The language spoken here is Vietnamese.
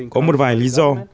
có một vài lý do